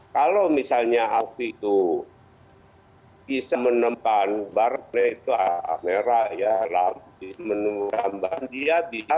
kalau misalnya aku itu bisa menempat barangnya itu a a merah ya alam menurut ambang dia bisa